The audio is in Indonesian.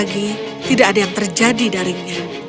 dan lagi tidak ada yang terjadi darinya